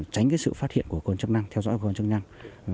tránh sự phát hiện của con chức năng theo dõi con chức năng